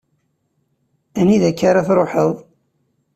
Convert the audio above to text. Anida akk-a ara truḥeḍ?